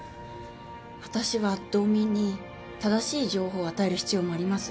私は道民に正しい情報を与える必要もあります。